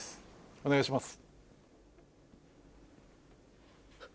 お願いします。